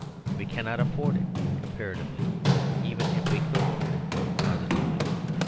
We cannot afford it comparatively, even if we could afford it positively.